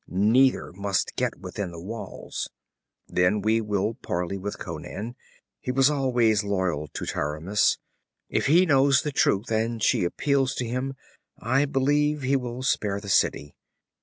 Neither must get within the walls! Then we will parley with Conan. He was always loyal to Taramis. If he knows the truth, and she appeals to him, I believe he will spare the city.